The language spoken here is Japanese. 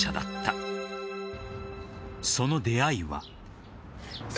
［その出会いは］